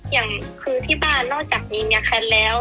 อย่างคือที่บ้านนอกจากมีเมียแค้นแล้ว